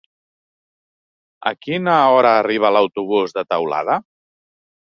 A quina hora arriba l'autobús de Teulada?